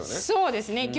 そうですね。